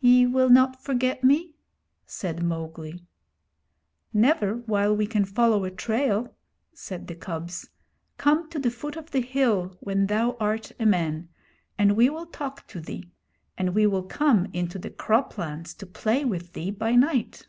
'Ye will not forget me?' said Mowgli. 'Never while we can follow a trail,' said the cubs. 'Come to the foot of the hill when thou art a man, and we will talk to thee; and we will come into the crop lands to play with thee by night.'